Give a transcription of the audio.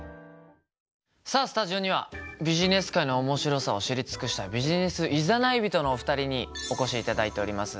さあスタジオにはビジネス界の面白さを知り尽くしたビジネス誘い人のお二人にお越しいただいております。